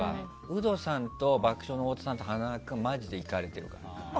ウドさんと爆笑の太田さんと塙君はマジでイカれてる。